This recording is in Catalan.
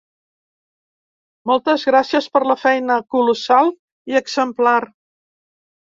Moltes gràcies per la feina colossal i exemplar.